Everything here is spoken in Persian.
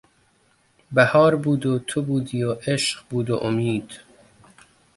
بهار بود و تو بودی و عشق بود و امید...